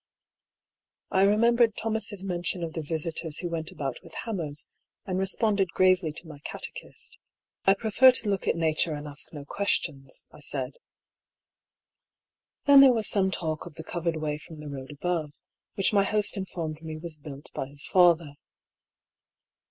I remembered Thomas' mention of the yisitors who went about with hammers, and responded gravely to my eatechist. " I prefer to look at Nature and to ask no questions," I said. Then there was some talk of the covered way from the road above, which my host informed me was built by his father.